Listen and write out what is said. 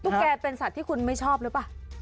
แกเป็นสัตว์ที่คุณไม่ชอบหรือเปล่า